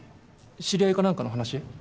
知り合いか何かの話？